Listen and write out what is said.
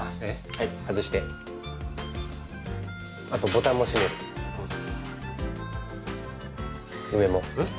はい外してあとボタンも閉めるうん上もえっ？